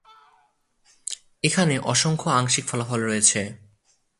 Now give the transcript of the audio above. এখানে অসংখ্য আংশিক ফলাফল রয়েছে।